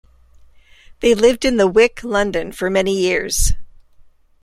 They lived in The Wick, London, for many years.